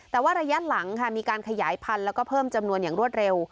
แต่ว่าระยะหลังค่ะมีการขยายพันธุ์แล้วก็เพิ่มจำนวนอย่างรวดเร็ว